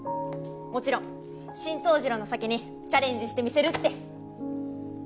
もちろんシン桃次郎の酒にチャレンジしてみせるって。